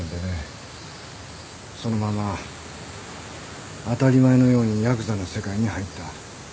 そのまま当たり前のようにやくざの世界に入った。